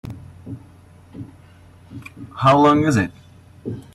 How long is it?